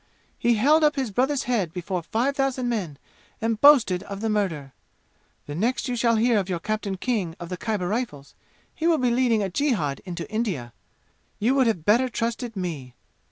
He held up his brother's head before five thousand men and boasted of the murder. The next you shall hear of your Captain King of the Khyber Rifles, he will be leading a jihad into India. You would have better trusted me.